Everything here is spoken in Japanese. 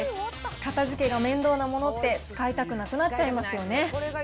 片づけが面倒なものって、使いたくなくなっちゃいますよね。